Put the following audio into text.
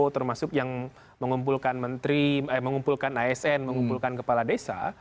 termasuk yang mengumpulkan asn mengumpulkan kepala desa